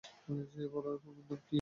বল তোর নাম কি?